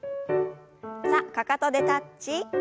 さあかかとでタッチ。